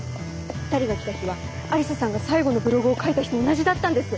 ２人が来た日は愛理沙さんが最後のブログを書いた日と同じだったんです。